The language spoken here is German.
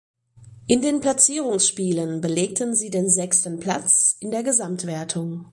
In den Platzierungsspielen belegten sie den sechsten Platz in der Gesamtwertung.